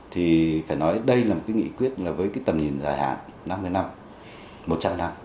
thì phải nói đây là một nghị quyết với tầm nhìn dài hạn năm mươi năm một trăm linh năm